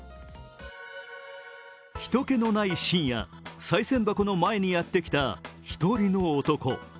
人けのない深夜、さい銭箱の前にやってきた１人の男。